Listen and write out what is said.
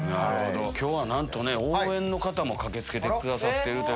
今日はなんと応援の方も駆け付けてくださってる。